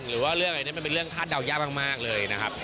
หรือว่าเรื่องอะไรนี่มันเป็นเรื่องคาดเดายากมากเลยนะครับ